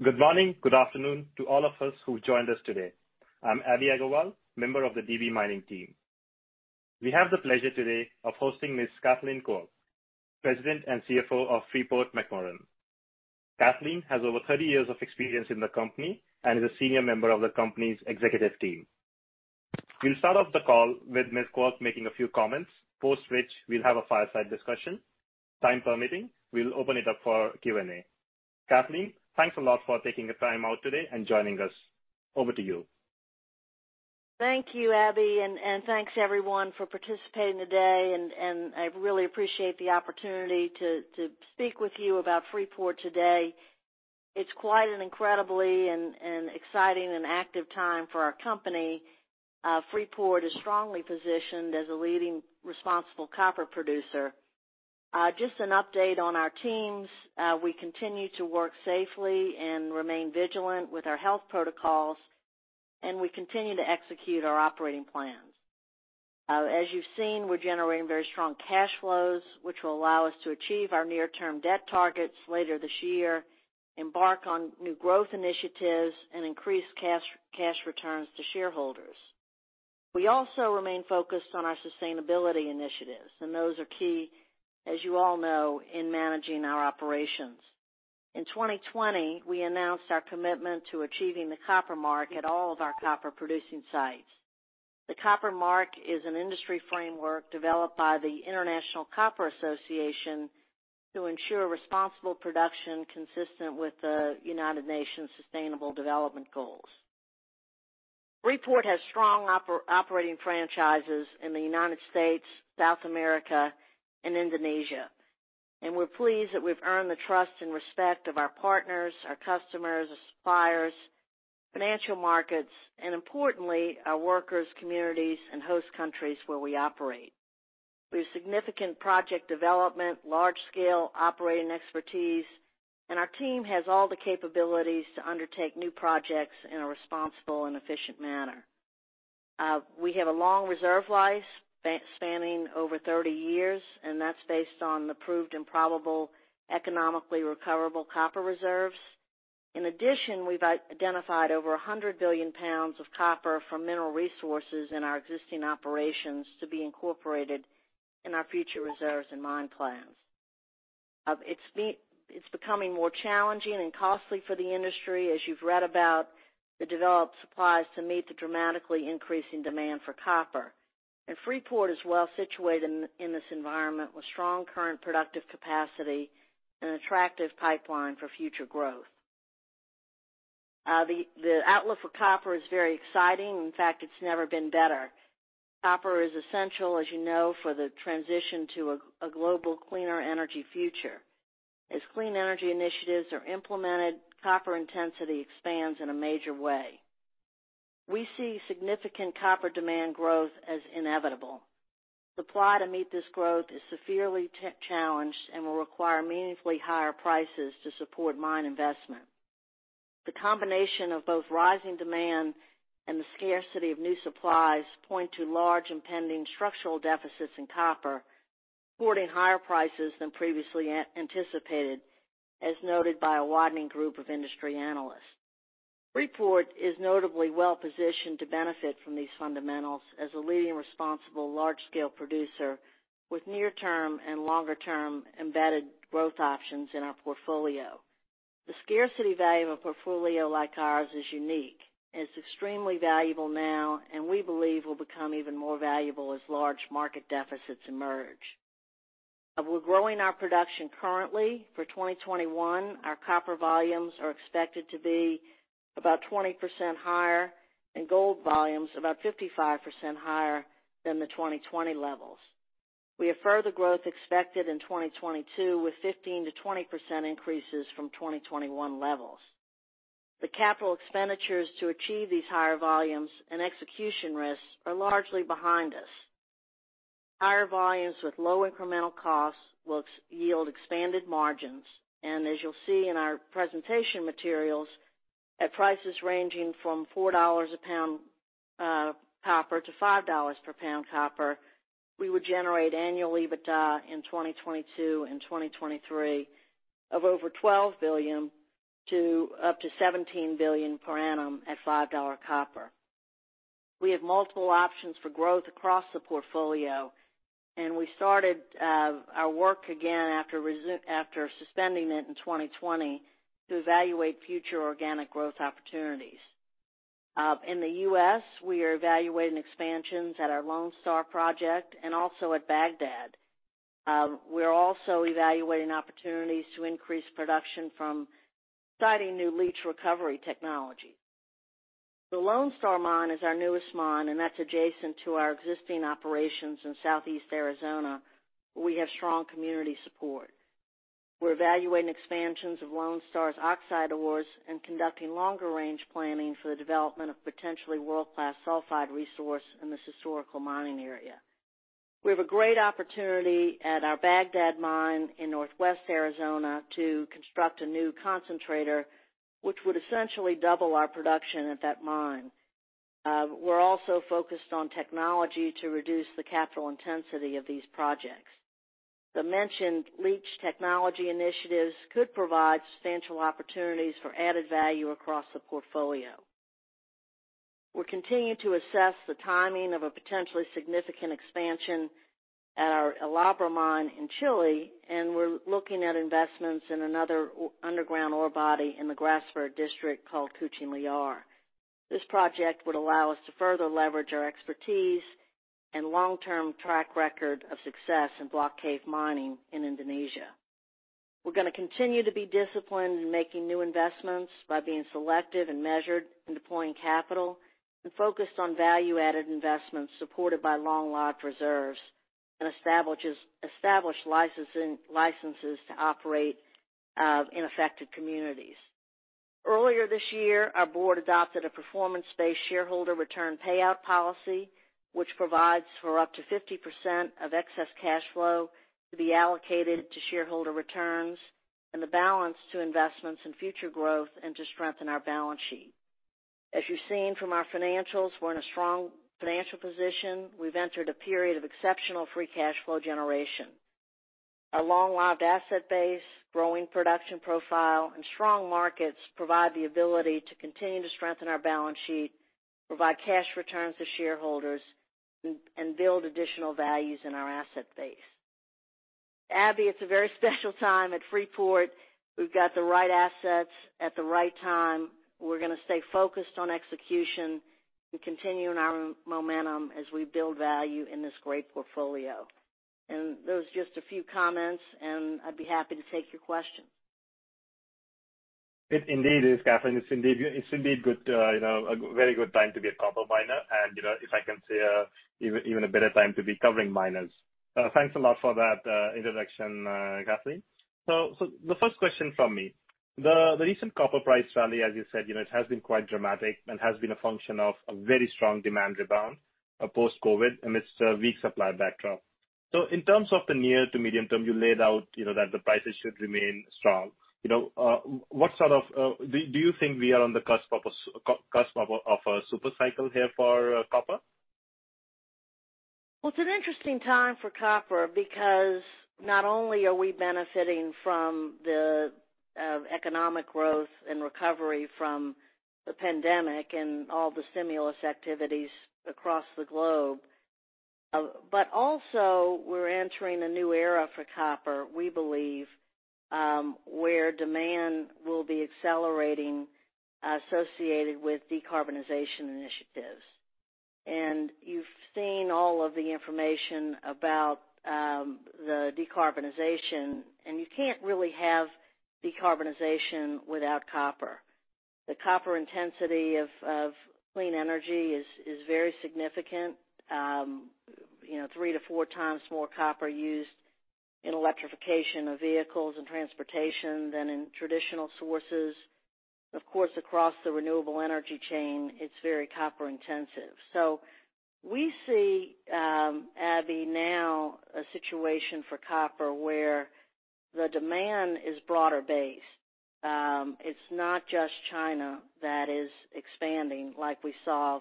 Good morning. Good afternoon to all of us who joined us today. I'm Abhi Agarwal, member of the DB Mining team. We have the pleasure today of hosting Ms. Kathleen Quirk, President and CFO of Freeport-McMoRan. Kathleen has over 30 years of experience in the company and is a senior member of the company's executive team. We'll start off the call with Ms. Quirk making a few comments, post which we'll have a fireside discussion. Time permitting, we'll open it up for Q&A. Kathleen, thanks a lot for taking the time out today and joining us. Over to you. Thank you, Abhi, and thanks to everyone for participating today. I really appreciate the opportunity to speak with you about Freeport today. It's quite an incredibly and exciting and active time for our company. Freeport is strongly positioned as a leading responsible copper producer. Just an update on our teams. We continue to work safely and remain vigilant with our health protocols, and we continue to execute our operating plans. As you've seen, we're generating very strong cash flows, which will allow us to achieve our near-term debt targets later this year, embark on new growth initiatives, and increase cash returns to shareholders. We also remain focused on our sustainability initiatives, and those are key, as you all know, in managing our operations. In 2020, we announced our commitment to achieving the Copper Mark at all of our copper producing sites. The Copper Mark is an industry framework developed by the International Copper Association to ensure responsible production consistent with the United Nations Sustainable Development Goals. Freeport has strong operating franchises in the U.S., South America and Indonesia, and we're pleased that we've earned the trust and respect of our partners, our customers, our suppliers, financial markets, and importantly, our workers, communities and host countries where we operate. We have significant project development, large scale operating expertise, and our team has all the capabilities to undertake new projects in a responsible and efficient manner. We have a long reserve life spanning over 30 years, and that's based on the proved and probable economically recoverable copper reserves. In addition, we've identified over 100 billion pounds of copper from mineral resources in our existing operations to be incorporated in our future reserves and mine plans. It's becoming more challenging and costly for the industry, as you've read about, to develop supplies to meet the dramatically increasing demand for copper, and Freeport is well situated in this environment with strong current productive capacity and attractive pipeline for future growth. The outlook for copper is very exciting. In fact, it's never been better. Copper is essential, as you know, for the transition to a global cleaner energy future. As clean energy initiatives are implemented, copper intensity expands in a major way. We see significant copper demand growth as inevitable. Supply to meet this growth is severely challenged and will require meaningfully higher prices to support mine investment. The combination of both rising demand and the scarcity of new supplies point to large impending structural deficits in copper, supporting higher prices than previously anticipated, as noted by a widening group of industry analysts. Freeport is notably well-positioned to benefit from these fundamentals as a leading responsible large scale producer with near-term and longer-term embedded growth options in our portfolio. The scarcity value of a portfolio like ours is unique. It's extremely valuable now, and we believe will become even more valuable as large market deficits emerge. We're growing our production currently. For 2021, our copper volumes are expected to be about 20% higher, and gold volumes about 55% higher than the 2020 levels. We have further growth expected in 2022, with 15%-20% increases from 2021 levels. The capital expenditures to achieve these higher volumes and execution risks are largely behind us. Higher volumes with low incremental costs will yield expanded margins, and as you'll see in our presentation materials, at prices ranging from $4 a pound copper-$5 per pound copper, we would generate annual EBITDA in 2022 and 2023 of $12 billion-$17 billion per annum at $5 copper. We have multiple options for growth across the portfolio, and we started our work again after suspending it in 2020 to evaluate future organic growth opportunities. In the U.S., we are evaluating expansions at our Lone Star project and also at Bagdad. We're also evaluating opportunities to increase production from exciting new leach recovery technology. The Lone Star mine is our newest mine, and that's adjacent to our existing operations in Southeast Arizona, where we have strong community support. We're evaluating expansions of Lone Star's oxide ores and conducting longer-range planning for the development of potentially world-class sulfide resource in this historical mining area. We have a great opportunity at our Bagdad mine in northwest Arizona to construct a new concentrator, which would essentially double our production at that mine. We're also focused on technology to reduce the capital intensity of these projects. The mentioned leach technology initiatives could provide substantial opportunities for added value across the portfolio. We continue to assess the timing of a potentially significant expansion at our El Abra mine in Chile, and we're looking at investments in another underground ore body in the Grasberg District called Kucing Liar. This project would allow us to further leverage our expertise and long-term track record of success in block cave mining in Indonesia. We're going to continue to be disciplined in making new investments by being selective and measured in deploying capital and focused on value-added investments supported by long-lived reserves and established licenses to operate in affected communities. Earlier this year, our board adopted a performance-based shareholder return payout policy, which provides for up to 50% of excess cash flow to be allocated to shareholder returns and the balance to investments in future growth and to strengthen our balance sheet. As you've seen from our financials, we're in a strong financial position. We've entered a period of exceptional free cash flow generation. Our long-lived asset base, growing production profile, and strong markets provide the ability to continue to strengthen our balance sheet, provide cash returns to shareholders, and build additional values in our asset base. Abhi, it's a very special time at Freeport. We've got the right assets at the right time. We're going to stay focused on execution and continuing our momentum as we build value in this great portfolio. Those are just a few comments, and I'd be happy to take your questions. It indeed is, Kathleen. It's indeed a very good time to be a copper miner, and if I can say, even a better time to be covering miners. Thanks a lot for that introduction, Kathleen. The first question from me. The recent copper price rally, as you said, has been quite dramatic and has been a function of a very strong demand rebound post-COVID amidst a weak supply backdrop. In terms of the near to medium term, you laid out that the prices should remain strong. Do you think we are on the cusp of a super cycle here for copper? Well, it's an interesting time for copper because not only are we benefiting from the economic growth and recovery from the pandemic and all the stimulus activities across the globe, but also we're entering a new era for copper, we believe, where demand will be accelerating associated with decarbonization initiatives. You've seen all of the information about the decarbonization, and you can't really have decarbonization without copper. The copper intensity of clean energy is very significant. 3 to 4 times more copper used in electrification of vehicles and transportation than in traditional sources. Of course, across the renewable energy chain, it's very copper-intensive. We see, Abhi Agarwal, now a situation for copper where the demand is broader-based. It's not just China that is expanding like we saw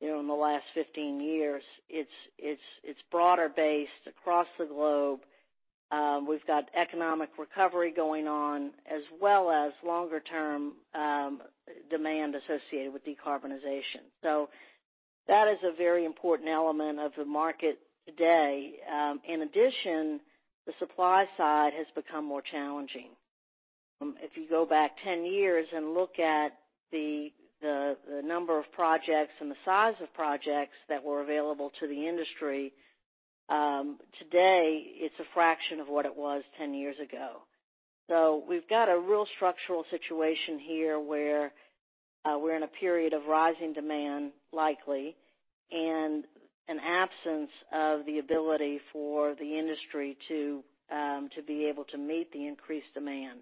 in the last 15 years. It's broader-based across the globe. We've got economic recovery going on, as well as longer-term demand associated with decarbonization. That is a very important element of the market today. In addition, the supply side has become more challenging. If you go back 10 years and look at the number of projects and the size of projects that were available to the industry, today it's a fraction of what it was 10 years ago. We've got a real structural situation here where we're in a period of rising demand, likely, and an absence of the ability for the industry to be able to meet the increased demand.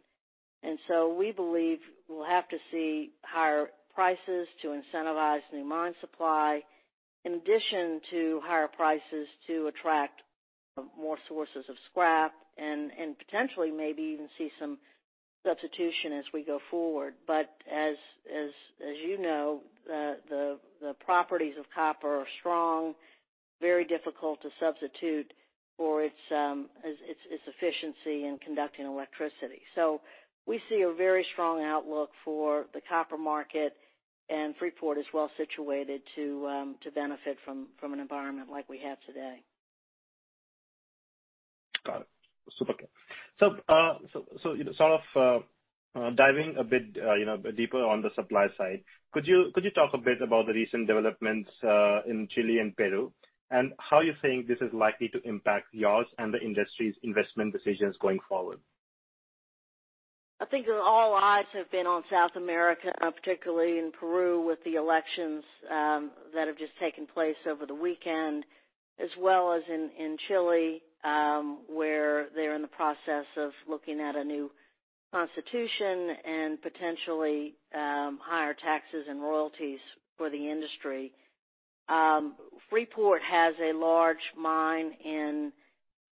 We believe we'll have to see higher prices to incentivize new mine supply, in addition to higher prices to attract more sources of scrap and potentially maybe even see some substitution as we go forward. As you know, the properties of copper are strong, very difficult to substitute for its efficiency in conducting electricity. We see a very strong outlook for the copper market, and Freeport is well situated to benefit from an environment like we have today. Got it. Super clear. Sort of diving a bit deeper on the supply side, could you talk a bit about the recent developments in Chile and Peru and how you think this is likely to impact yours and the industry's investment decisions going forward? I think all eyes have been on South America, particularly in Peru, with the elections that have just taken place over the weekend, as well as in Chile, where they're in the process of looking at a new constitution and potentially higher taxes and royalties for the industry. Freeport has a large mine in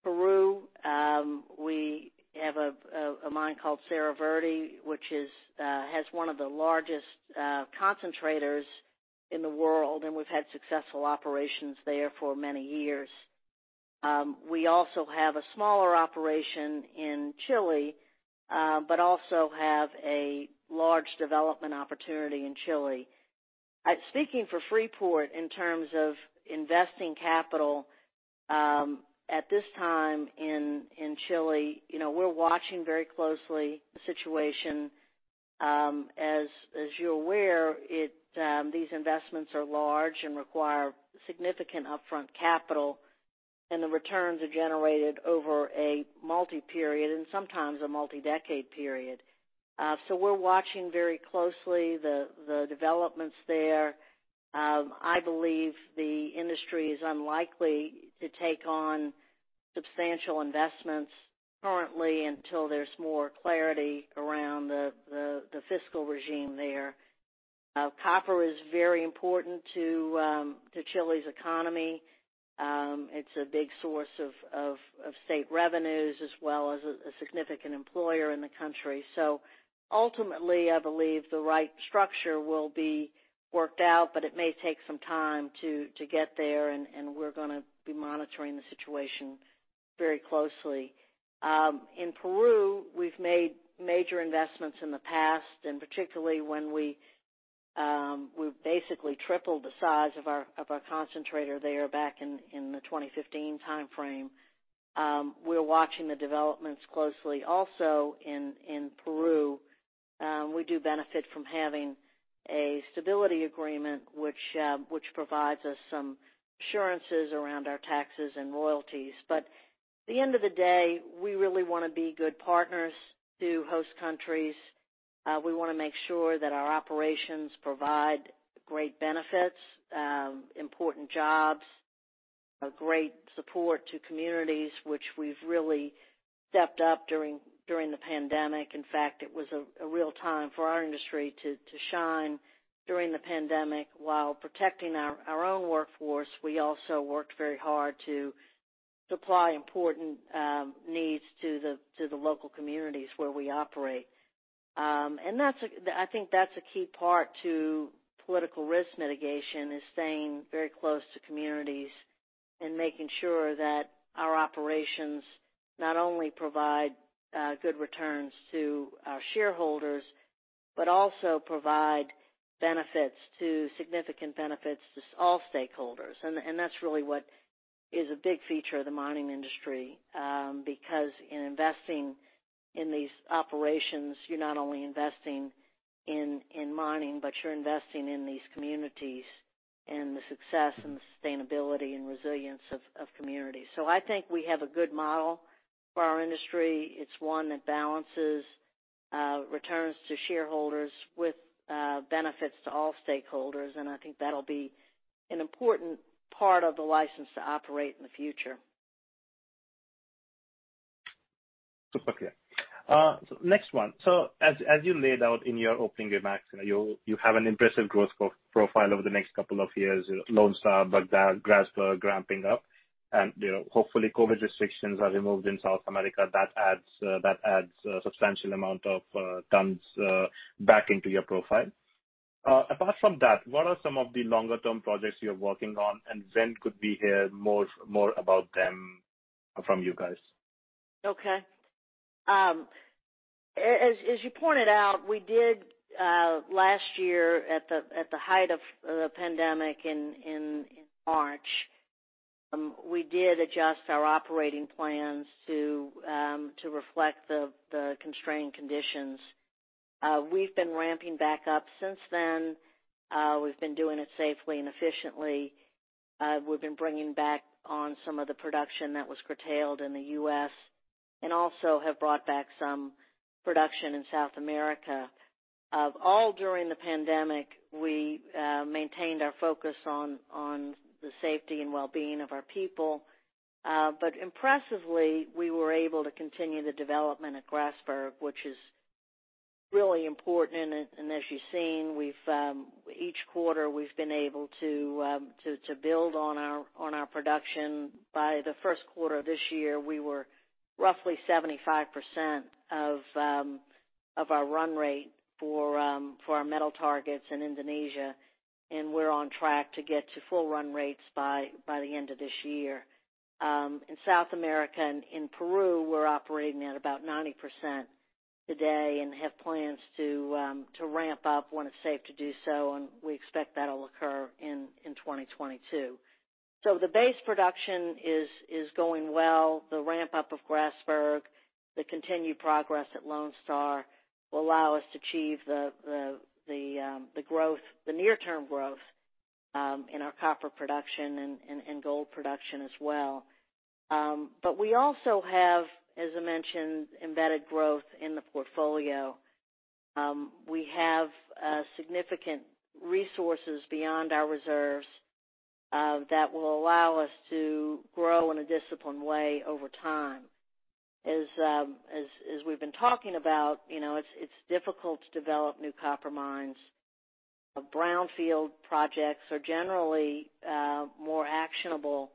Peru. We have a mine called Cerro Verde, which has one of the largest concentrators in the world, and we've had successful operations there for many years. We also have a smaller operation in Chile, also have a large development opportunity in Chile. Speaking for Freeport in terms of investing capital, at this time in Chile, we're watching very closely the situation. As you're aware, these investments are large and require significant upfront capital, and the returns are generated over a multi-period and sometimes a multi-decade period. We're watching very closely the developments there. I believe the industry is unlikely to take on substantial investments currently until there's more clarity around the fiscal regime there. Copper is very important to Chile's economy. It's a big source of state revenues, as well as a significant employer in the country. Ultimately, I believe the right structure will be worked out, but it may take some time to get there, and we're going to be monitoring the situation very closely. In Peru, we've made major investments in the past, and particularly when we basically tripled the size of our concentrator there back in the 2015 timeframe. We're watching the developments closely also in Peru. We do benefit from having a stability agreement, which provides us some assurances around our taxes and royalties. At the end of the day, we really want to be good partners to host countries. We want to make sure that our operations provide great benefits, important jobs, a great support to communities, which we've really stepped up during the pandemic. In fact, it was a real time for our industry to shine during the pandemic. While protecting our own workforce, we also worked very hard to supply important needs to the local communities where we operate. I think that's a key part to political risk mitigation, is staying very close to communities and making sure that our operations not only provide good returns to our shareholders, but also provide significant benefits to all stakeholders. That's really what is a big feature of the mining industry. Because in investing in these operations, you're not only investing in mining, but you're investing in these communities and the success and the sustainability and resilience of communities. I think we have a good model for our industry. It's one that balances returns to shareholders with benefits to all stakeholders, and I think that'll be an important part of the license to operate in the future. Okay. Next one. As you laid out in your opening remarks, you have an impressive growth profile over the next couple of years. Lone Star, Bagdad, Grasberg ramping up, and hopefully COVID restrictions are removed in South America. That adds a substantial amount of tons back into your profile. Apart from that, what are some of the longer-term projects you're working on, and when could we hear more about them from you guys? Okay. As you pointed out, last year at the height of the pandemic in March, we did adjust our operating plans to reflect the constrained conditions. We've been ramping back up since then. We've been doing it safely and efficiently. We've been bringing back on some of the production that was curtailed in the U.S., and also have brought back some production in South America. All during the pandemic, we maintained our focus on the safety and well-being of our people. Impressively, we were able to continue the development at Grasberg, which is really important, and as you've seen, each quarter, we've been able to build on our production. By the first quarter of this year, we were roughly 75% of our run rate for our metal targets in Indonesia, and we're on track to get to full run rates by the end of this year. In South America and in Peru, we're operating at about 90% today and have plans to ramp up when it's safe to do so. We expect that'll occur in 2022. The base production is going well. The ramp-up of Grasberg, the continued progress at Lone Star will allow us to achieve the near-term growth in our copper production and gold production as well. We also have, as I mentioned, embedded growth in the portfolio. We have significant resources beyond our reserves that will allow us to grow in a disciplined way over time. As we've been talking about, it's difficult to develop new copper mines. Brownfield projects are generally more actionable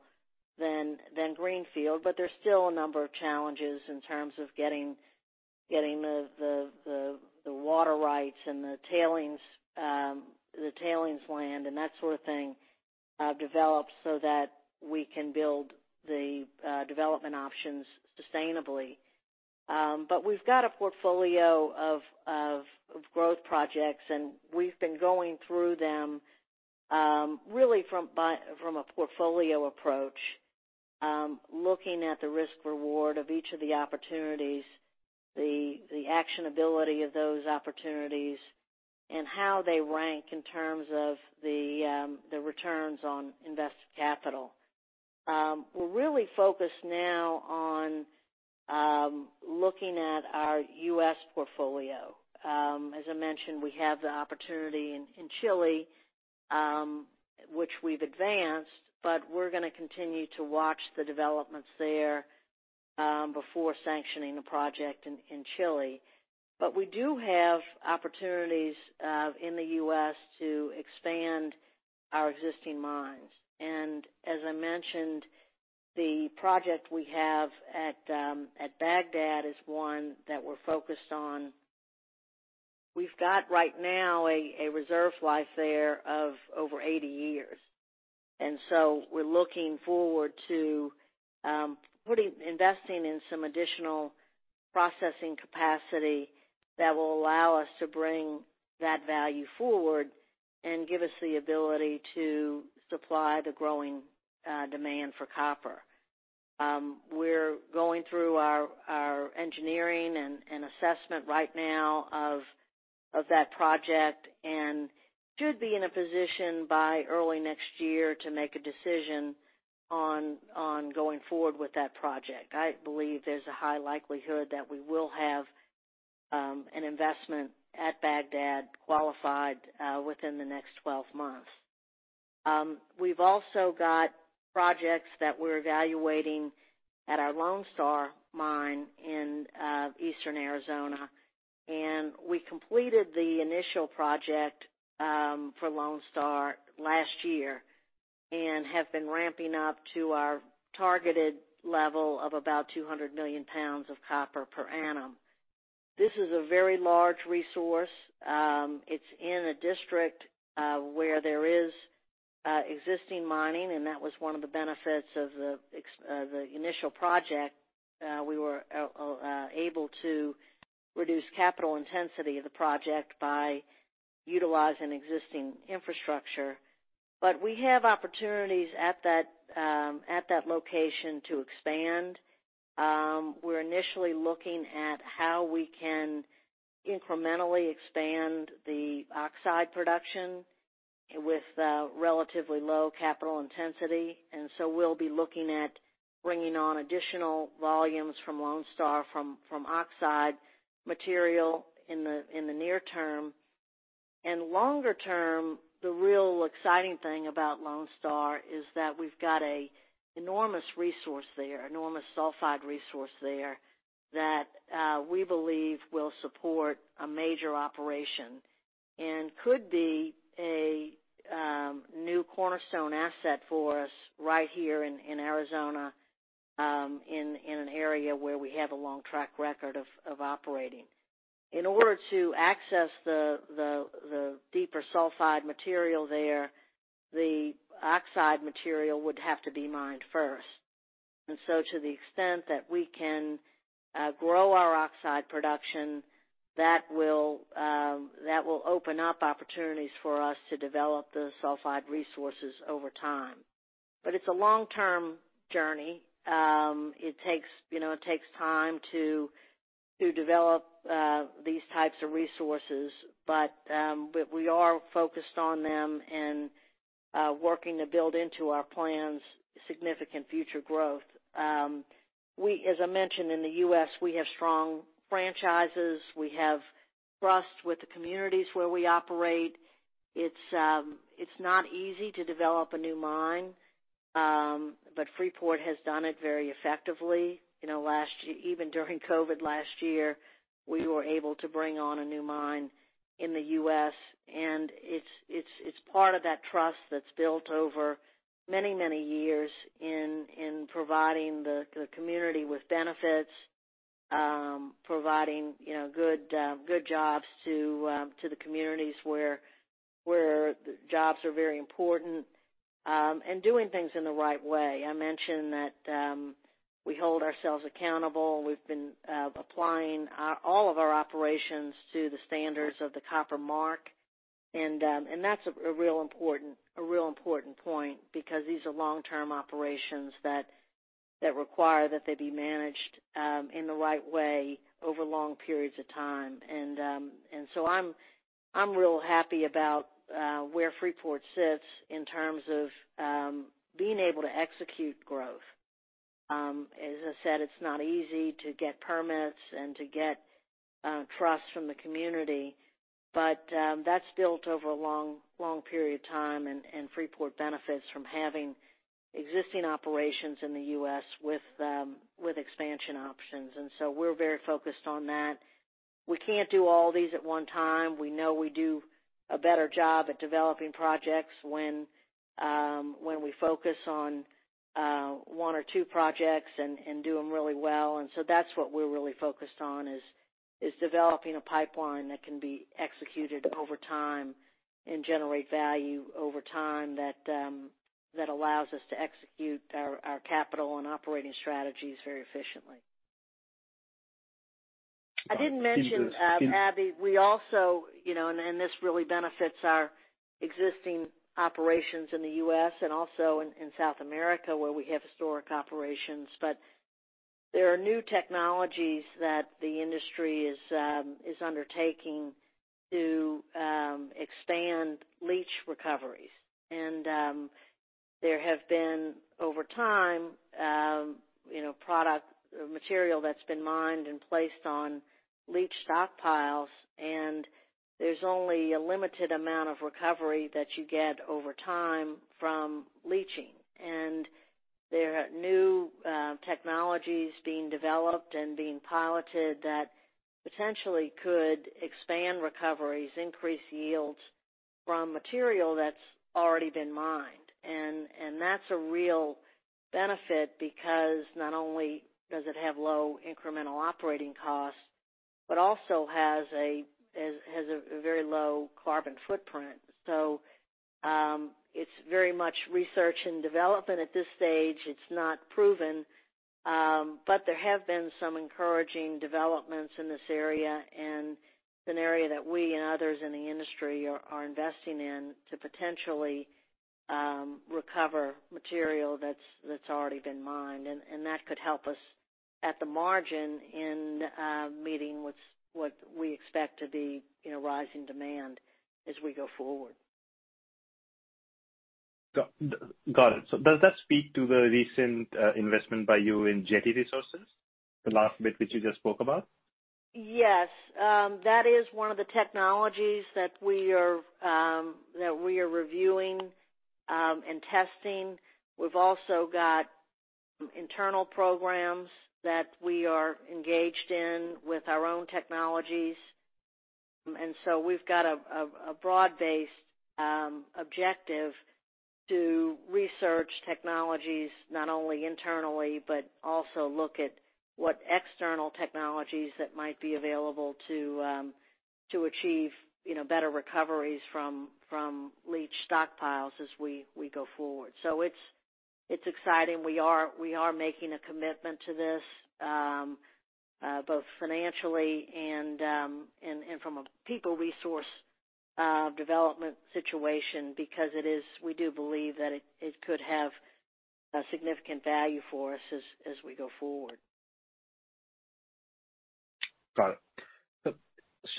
than Greenfield, but there's still a number of challenges in terms of getting the water rights and the tailings land and that sort of thing developed so that we can build the development options sustainably. We've got a portfolio of growth projects, and we've been going through them really from a portfolio approach, looking at the risk-reward of each of the opportunities, the actionability of those opportunities, and how they rank in terms of the returns on invested capital. We're really focused now on looking at our U.S. portfolio. As I mentioned, we have the opportunity in Chile, which we've advanced, we're going to continue to watch the developments there before sanctioning a project in Chile. We do have opportunities in the U.S. to expand our existing mines. As I mentioned, the project we have at Bagdad is one that we're focused on. We've got right now a reserve life there of over 80 years. We're looking forward to investing in some additional processing capacity that will allow us to bring that value forward and give us the ability to supply the growing demand for copper. We're going through our engineering and assessment right now of that project and should be in a position by early next year to make a decision on going forward with that project. I believe there's a high likelihood that we will have an investment at Bagdad qualified within the next 12 months. We've also got projects that we're evaluating at our Lone Star mine in Eastern Arizona. We completed the initial project for Lone Star last year and have been ramping up to our targeted level of about 200 million pounds of copper per annum. This is a very large resource. It's in a district where there is existing mining, and that was one of the benefits of the initial project. We were able to reduce capital intensity of the project by utilizing existing infrastructure. We have opportunities at that location to expand. We're initially looking at how we can incrementally expand the oxide production with relatively low capital intensity, and so we'll be looking at bringing on additional volumes from Lone Star from oxide material in the near term. Longer term, the real exciting thing about Lone Star is that we've got a enormous sulfide resource there that we believe will support a major operation and could be a new cornerstone asset for us right here in Arizona, in an area where we have a long track record of operating. In order to access the deeper sulfide material there, the oxide material would have to be mined first. To the extent that we can grow our oxide production, that will open up opportunities for us to develop those sulfide resources over time. It's a long-term journey. It takes time to develop these types of resources, but we are focused on them and working to build into our plans significant future growth. As I mentioned, in the U.S., we have strong franchises. We have trust with the communities where we operate. It's not easy to develop a new mine, but Freeport has done it very effectively. Even during COVID last year, we were able to bring on a new mine in the U.S., and it's part of that trust that's built over many, many years in providing the community with benefits, providing good jobs to the communities where jobs are very important, and doing things in the right way. I mentioned that we hold ourselves accountable. We've been applying all of our operations to the standards of the Copper Mark, and that's a real important point because these are long-term operations that require that they be managed in the right way over long periods of time. I'm real happy about where Freeport sits in terms of being able to execute growth. As I said, it's not easy to get permits and to get trust from the community. That's built over a long period of time, and Freeport benefits from having existing operations in the U.S. with expansion options. We're very focused on that. We can't do all these at one time. We know we do a better job at developing projects when we focus on one or two projects and do them really well. That's what we're really focused on, is developing a pipeline that can be executed over time and generate value over time that allows us to execute our capital and operating strategies very efficiently. I didn't mention, Abhi, we also, this really benefits our existing operations in the U.S. and also in South America where we have historic operations, but there are new technologies that the industry is undertaking to expand leach recoveries. There have been, over time, product material that's been mined and placed on leach stockpiles, and there's only a limited amount of recovery that you get over time from leaching. There are new technologies being developed and being piloted that potentially could expand recoveries, increase yields from material that's already been mined. That's a real benefit because not only does it have low incremental operating costs, but also has a very low carbon footprint. It's very much research and development at this stage. It's not proven. There have been some encouraging developments in this area, and it's an area that we and others in the industry are investing in to potentially recover material that's already been mined, and that could help us at the margin in meeting what we expect to be rising demand as we go forward. Got it. Does that speak to the recent investment by you in Jetti Resources, the last bit which you just spoke about? Yes. That is one of the technologies that we are reviewing and testing. We've also got internal programs that we are engaged in with our own technologies. We've got a broad-based objective to research technologies, not only internally, but also look at what external technologies that might be available to achieve better recoveries from leach stockpiles as we go forward. It's exciting. We are making a commitment to this, both financially and from a people resource development situation, because we do believe that it could have a significant value for us as we go forward. Got it.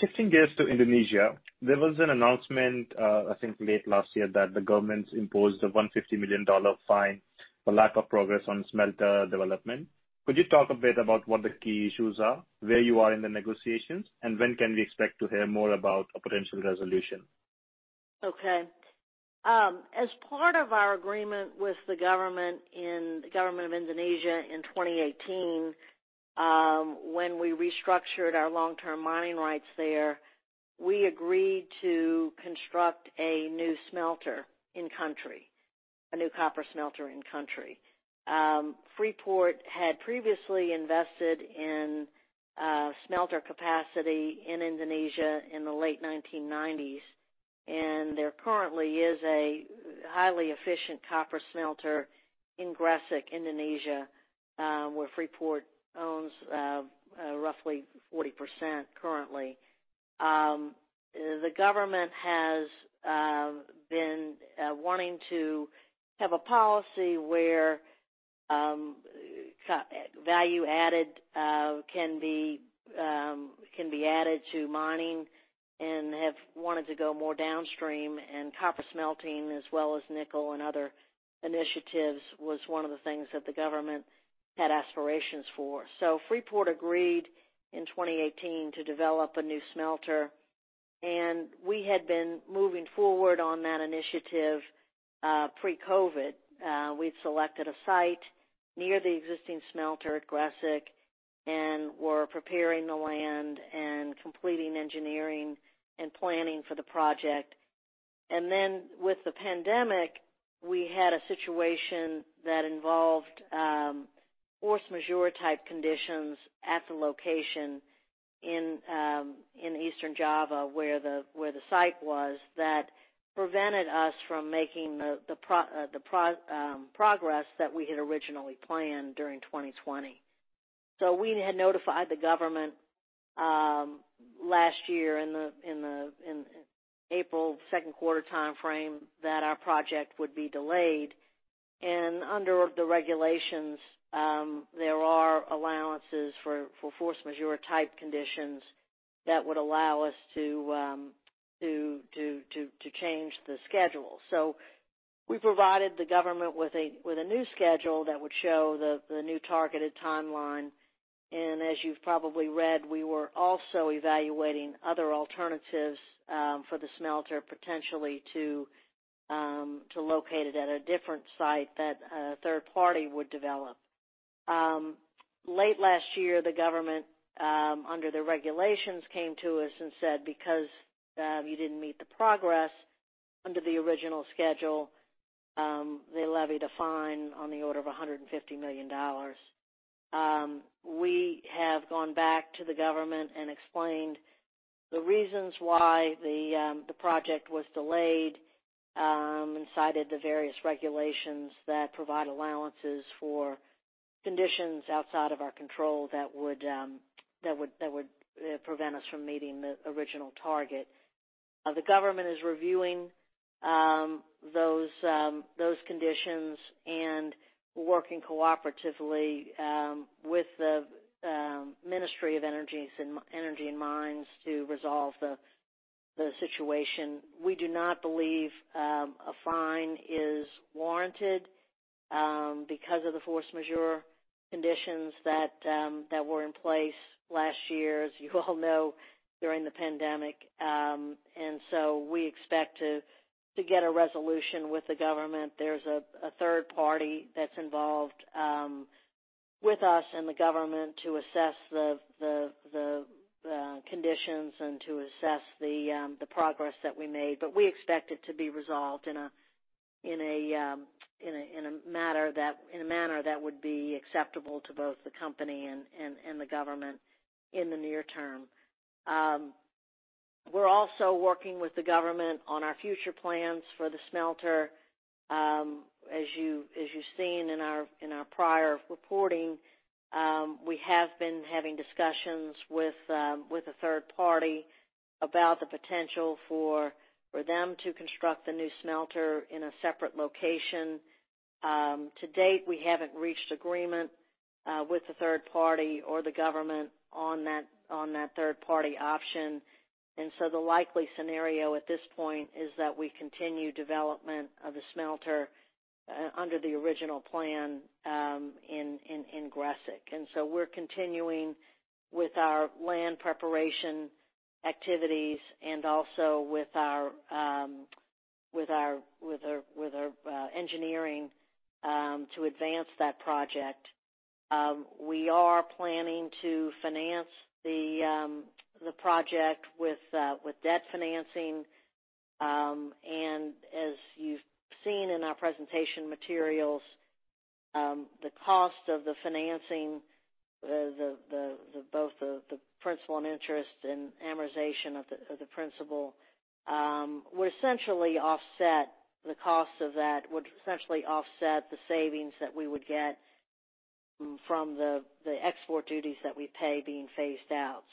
Shifting gears to Indonesia, there was an announcement, I think late last year, that the government imposed a $150 million fine for lack of progress on smelter development. Could you talk a bit about what the key issues are, where you are in the negotiations, when can we expect to hear more about a potential resolution? Okay. As part of our agreement with the Government of Indonesia in 2018, when we restructured our long-term mining rights there, we agreed to construct a new smelter in-country, a new copper smelter in-country. Freeport had previously invested in smelter capacity in Indonesia in the late 1990s, and there currently is a highly efficient copper smelter in Gresik, Indonesia, where Freeport owns roughly 40% currently. The Government has been wanting to have a policy where value-added can be added to mining and have wanted to go more downstream, and copper smelting as well as nickel and other initiatives was one of the things that the Government had aspirations for. Freeport agreed in 2018 to develop a new smelter, and we had been moving forward on that initiative pre-COVID. We'd selected a site near the existing smelter at Gresik and were preparing the land and completing engineering and planning for the project. Then with the pandemic, we had a situation that involved force majeure type conditions at the location in Eastern Java, where the site was, that prevented us from making the progress that we had originally planned during 2020. We had notified the government last year in the April second quarter timeframe that our project would be delayed. Under the regulations, there are allowances for force majeure type conditions that would allow us to change the schedule. We provided the government with a new schedule that would show the new targeted timeline. As you've probably read, we were also evaluating other alternatives for the smelter, potentially to locate it at a different site that a third party would develop. Late last year, the government under the regulations, came to us and said, "Because you didn't meet the progress under the original schedule, they levy a fine on the order of $150 million." We have gone back to the government and explained the reasons why the project was delayed and cited the various regulations that provide allowances for conditions outside of our control that would prevent us from meeting the original target. The government is reviewing those conditions and we're working cooperatively with the Ministry of Energy and Mineral Resources to resolve the situation. We do not believe a fine is warranted because of the force majeure conditions that were in place last year, as you all know, during the pandemic. We expect to get a resolution with the government. There's a third party that's involved with us and the government to assess the conditions and to assess the progress that we made. We expect it to be resolved in a manner that would be acceptable to both the company and the government in the near term. We're also working with the government on our future plans for the smelter. As you've seen in our prior reporting, we have been having discussions with a third party about the potential for them to construct a new smelter in a separate location. To date, we haven't reached agreement with the third party or the government on that third party option. The likely scenario at this point is that we continue development of the smelter under the original plan in Gresik. We're continuing with our land preparation activities and also with our engineering to advance that project. We are planning to finance the project with debt financing. As you've seen in our presentation materials, the cost of the financing, both the principal and interest and amortization of the principal, would essentially offset the cost of that, would essentially offset the savings that we would get from the export duties that we pay being phased out.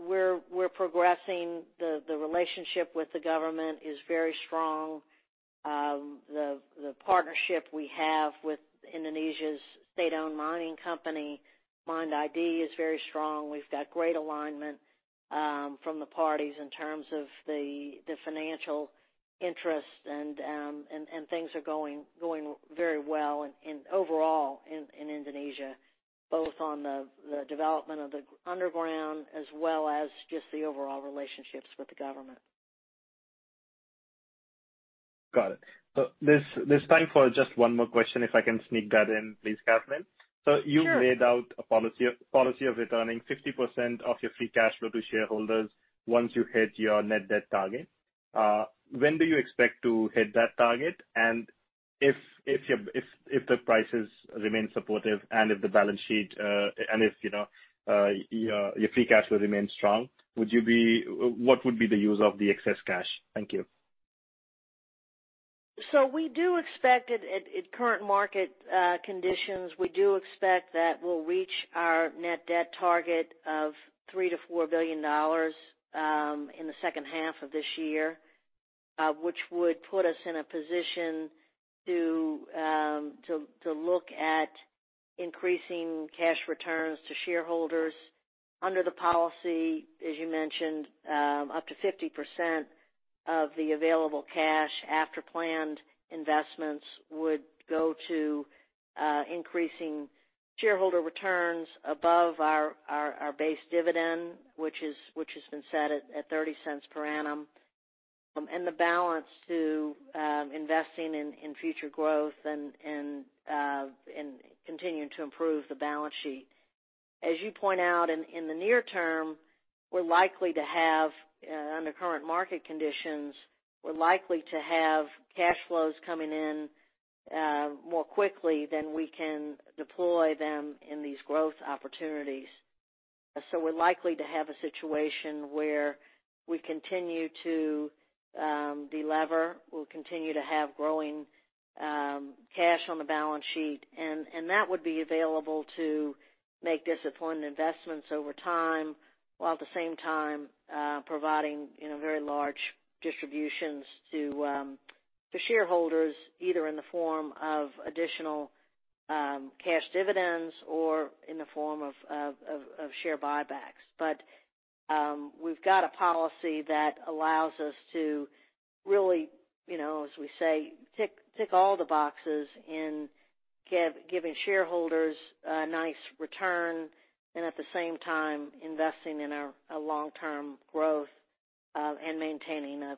We're progressing. The relationship with the government is very strong. The partnership we have with Indonesia's state-owned mining company, MIND ID, is very strong. We've got great alignment from the parties in terms of the financial interests and things are going very well overall in Indonesia, both on the development of the underground as well as just the overall relationships with the government. Got it. There's time for just one more question, if I can sneak that in please, Kathleen. Sure. You've laid out a policy of returning 50% of your free cash flow to shareholders once you hit your net debt target. When do you expect to hit that target? If the prices remain supportive and if the balance sheet, your free cash flow remains strong, what would be the use of the excess cash? Thank you. We do expect at current market conditions that we'll reach our net debt target of $3 billion-$4 billion in the second half of this year, which would put us in a position to look at increasing cash returns to shareholders. Under the policy, as you mentioned, up to 50% of the available cash after planned investments would go to increasing shareholder returns above our base dividend, which has been set at $0.30 per annum. The balance to investing in future growth and continuing to improve the balance sheet. As you point out, in the near term, under current market conditions, we're likely to have cash flows coming in more quickly than we can deploy them in these growth opportunities. We're likely to have a situation where we continue to delever, we'll continue to have growing cash on the balance sheet, and that would be available to make disciplined investments over time, while at the same time providing very large distributions to shareholders, either in the form of additional cash dividends or in the form of share buybacks. We've got a policy that allows us to really, as we say, tick all the boxes in giving shareholders a nice return and at the same time investing in a long-term growth and maintaining a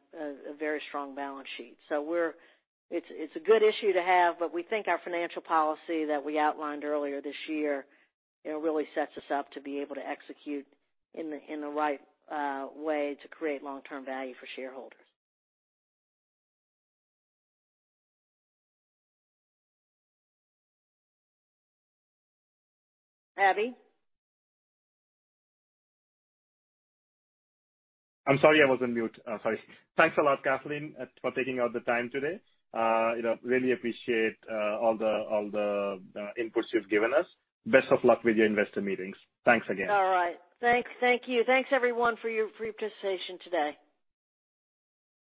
very strong balance sheet. It's a good issue to have, but we think our financial policy that we outlined earlier this year really sets us up to be able to execute in the right way to create long-term value for shareholders. Abhi? I'm sorry, I was on mute. Sorry. Thanks a lot, Kathleen, for taking out the time today. Really appreciate all the inputs you've given us. Best of luck with your Investor Meetings. Thanks again. All right. Thank you. Thanks, everyone, for your participation today.